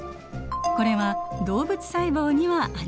これは動物細胞にはありません。